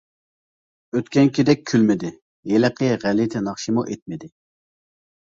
ئۆتكەنكىدەك كۈلمىدى، ھېلىقى غەلىتە ناخشىمۇ ئېيتمىدى.